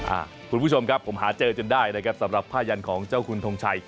คุณผู้ชมครับผมหาเจอจนได้นะครับสำหรับผ้ายันของเจ้าคุณทงชัย